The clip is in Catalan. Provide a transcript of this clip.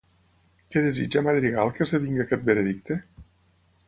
Què desitja Madrigal que esdevingui aquest veredicte?